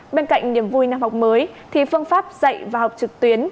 bên cạnh niềm vui năm học mới thì phương pháp dạy và học trực tuyến